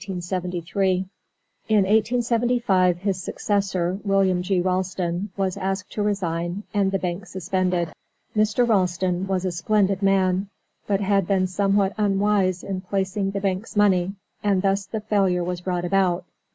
In 1875 his successor, William G. Ralston, was asked to resign and the bank suspended. Mr. Ralston was a splendid man, but had been somewhat unwise in placing the bank's money, and thus the failure was brought about.